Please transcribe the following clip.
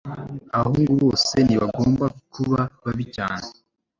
abahungu bose ntibagombaga kuba babi cyane